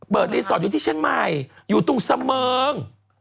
รีสอร์ทอยู่ที่เชียงใหม่อยู่ตรงเสมิง